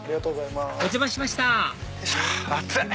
お邪魔しました暑い！